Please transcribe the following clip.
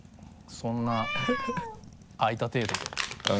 そんな開いた程度で。